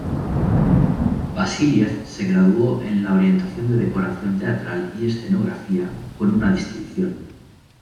Vasíliev se graduó en la orientación de decoración teatral y escenografía con una distinción.